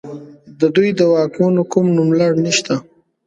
د دوی د واکمنو کوم نوملړ نشته